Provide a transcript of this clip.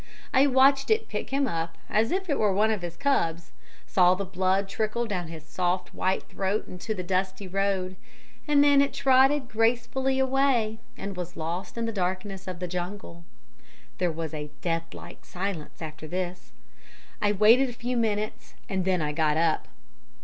I watched it pick him up as if he were one of its cubs; saw the blood trickle down its soft white throat into the dusty road, and then it trotted gracefully away, and was lost in the darkness of the jungle. There was a deathlike silence after this. I waited a few minutes, and then I got up.